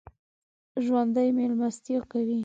ژوندي مېلمستیا کوي